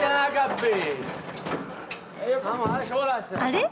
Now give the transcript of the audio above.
あれ？